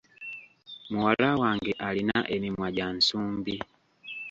Muwala wange alina emimwa gya nsumbi.